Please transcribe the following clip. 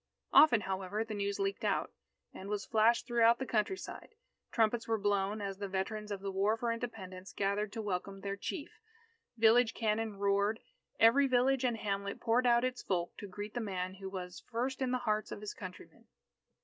Often, however, the news leaked out, and was flashed throughout the countryside. Trumpets were blown, as the veterans of the War for Independence gathered to welcome their Chief. Village cannon roared. Every village and hamlet poured out its folk to greet the man who was "first in the hearts of his countrymen."